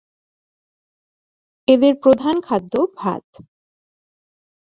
এদের প্রধান খাদ্য ভাত।